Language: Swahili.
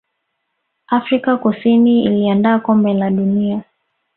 afrika kusini iliandaa kombe la dunia